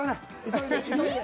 急いで急いで。